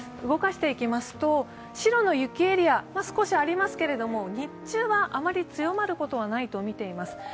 動かしていきますと白の雪エリアが少しありますけれども日中はあまり強まることはないとみています。